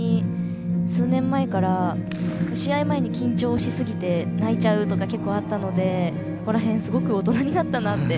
数年前から試合前に緊張しすぎて泣いちゃうとか、結構あったのでそこら辺が大人になったなって